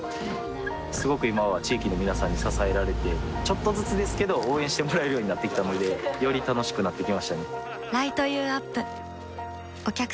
すごく今は地域の皆さんに支えられてちょっとずつですけど応援してもらえるようになってきたのでより楽しくなってきましたね